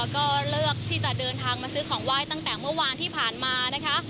เดินทางมาซื้อของไหว้ตั้งแต่เมื่อวานที่ผ่านมานะคะ